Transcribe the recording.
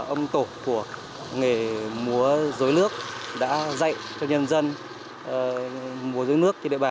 ông tổ của nghề múa dối nước đã dạy cho nhân dân múa dối nước trên địa bàn